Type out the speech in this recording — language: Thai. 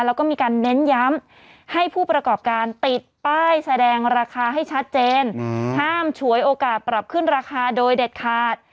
แล้วก็มีการเน้นย้ำให้ผู้ประกอบการติดป้ายแสดงราคาให้ชัดเจนห้ามฉวยโอกาสปรับขึ้นราคาโดยเด็ดขาด